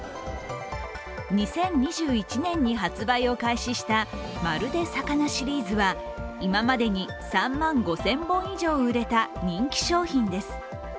２０２１年に発売を開始したまるで魚シリーズは、今までに３万５０００本以上売れた人気商品です。